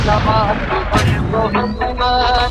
د اختر ورځ لنډه نه وي.